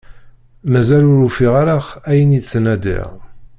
Mazal ur ufiɣ ara ayen i ttnadiɣ.